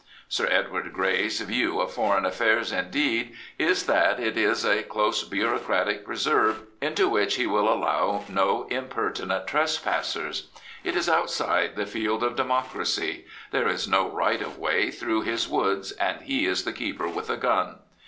jSir Edward Grey's view of foreign affairs, indeed, is that it is a ^6 Sir Edward Grey close bureaucratic preserve into which he will allow no impertinent trespassers. It is outside the field of democracy. There is no right of way through his woods, and he is the keeper with a gun.